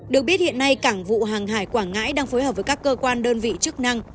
được biết hiện nay cảng vụ hàng hải quảng ngãi đang phối hợp với các cơ quan đơn vị chức năng